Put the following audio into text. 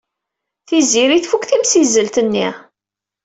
Tiziri tfuk timsizzelt-nni.